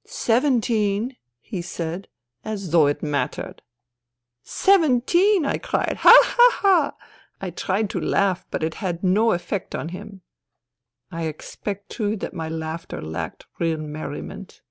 "' Seventeen,^ he said, as though it mattered. "' Seventeen !' I cried. ' Ha ! ha ! ha 1' I tried to laugh, but it had no effect on him. I expect, too, that my laughter lacked real merriment.